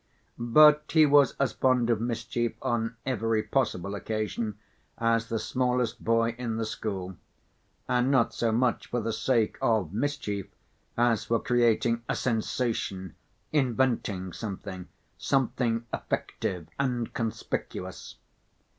But he was as fond of mischief on every possible occasion as the smallest boy in the school, and not so much for the sake of mischief as for creating a sensation, inventing something, something effective and conspicuous.